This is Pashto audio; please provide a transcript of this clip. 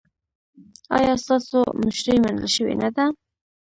ایا ستاسو مشري منل شوې نه ده؟